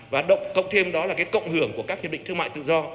và cộng thêm đó là cái cộng hưởng của các hiệp định thương mại tự do